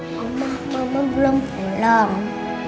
mama mama belum pulang